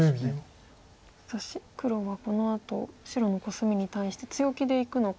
さあ黒はこのあと白のコスミに対して強気でいくのか。